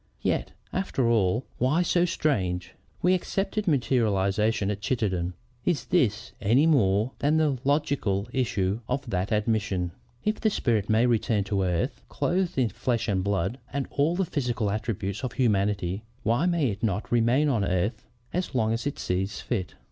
Yet, after all, why so strange? We accepted materialization at Chittenden. Is this any more than the logical issue of that admission? If the spirit may return to earth, clothed in flesh and blood and all the physical attributes of humanity, why may it not remain on earth as long as it sees fit?